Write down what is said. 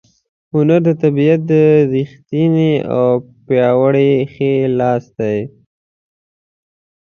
هنر د طبیعت ریښتینی او پیاوړی ښی لاس دی.